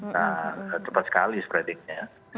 nah cepat sekali spreadingnya